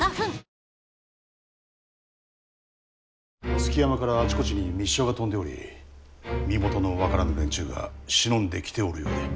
築山からあちこちに密書が飛んでおり身元の分からぬ連中が忍んできておるようで。